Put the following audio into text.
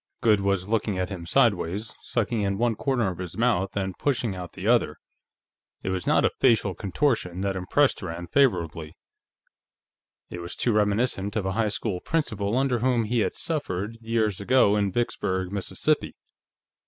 Goode was looking at him sideways, sucking in one corner of his mouth and pushing out the other. It was not a facial contortion that impressed Rand favorably; it was too reminiscent of a high school principal under whom he had suffered, years ago, in Vicksburg, Mississippi.